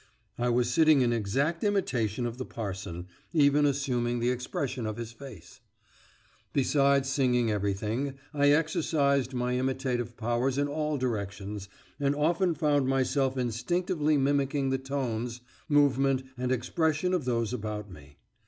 I was sitting in exact imitation of the parson, even assuming the expression of his face. Besides singing everything, I exercised my imitative powers in all directions, and often found myself instinctively mimicking the tones, movement, and expression of those about me.